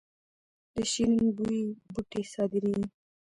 د شیرین بویې بوټی صادریږي